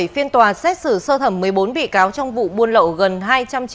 phiên tòa xét xử sơ thẩm một mươi bốn vị cáo trong vụ buôn lộn của trần văn khánh